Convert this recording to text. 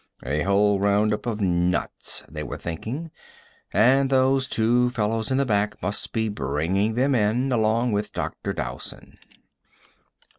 "A whole roundup of nuts," they were thinking. "And those two fellows in the back must be bringing them in along with Dr. Dowson."